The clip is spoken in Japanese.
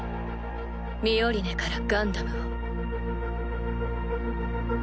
ミオリネからガンダムを。